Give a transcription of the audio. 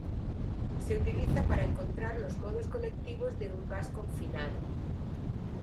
Se utiliza para encontrar los modos colectivos de un gas confinado.